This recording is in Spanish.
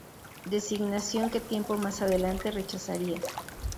Designación que tiempo más adelante rechazaría.